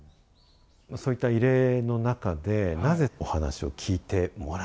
そういった異例の中でなぜお話を聞いてもらえた。